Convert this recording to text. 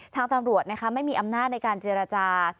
ทางตำรวจไม่มีอำนาจในการเจรจา